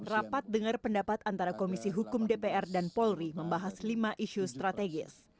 rapat dengar pendapat antara komisi hukum dpr dan polri membahas lima isu strategis